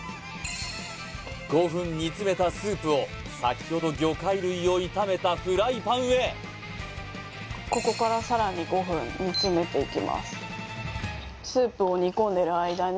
５分煮詰めたスープをさきほど魚介類を炒めたフライパンへここからさらに５分煮詰めていきます